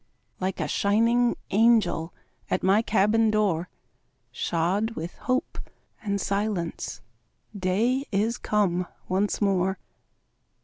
Like a shining angel At my cabin door, Shod with hope and silence, Day is come once more.